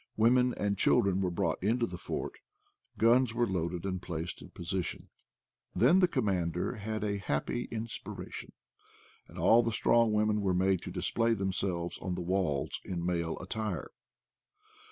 Women and children were brought into the fort ; guns were LIFE IN PATAGONIA 93 loaded and placed in position; then the com mander had a happy inspiration, and all the strong women were made to display themselves on the walls in male attire.